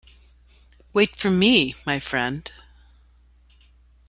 Wait for me, my friend.